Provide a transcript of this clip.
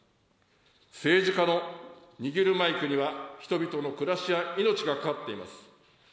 政治家の握るマイクには、人々の暮らしや命が懸かっています。